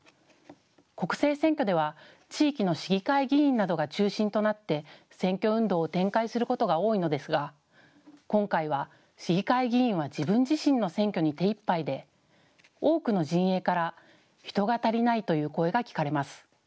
国政選挙では地域の市議会議員などが中心となって選挙運動を展開することが多いのですが今回は市議会議員は自分自身の選挙に手いっぱいで多くの陣営から人が足りないという声が聞かれます。